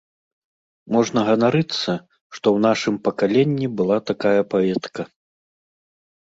Можна ганарыцца, што ў нашым пакаленні была такая паэтка.